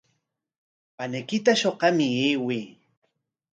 Paniykita shuqamuq ayway.